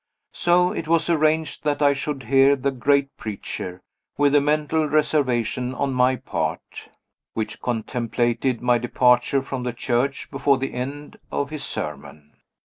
So it was arranged that I should hear the great preacher with a mental reservation on my part, which contemplated my departure from the church before the end of his sermon.